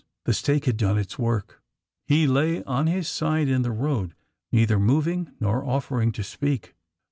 The stake had done its work. He lay on his side in the road, neither moving nor offering to speak.